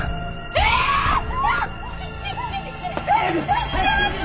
えっ。